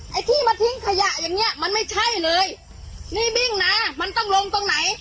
ไอ้ที่มาทิ้งขยะอย่างเงี้ยมันไม่ใช่เลยนี่วิ่งนะมันต้องลงตรงไหน